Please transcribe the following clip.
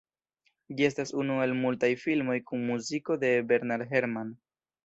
Ĝi estas unu el multaj filmoj kun muziko de Bernard Herrmann.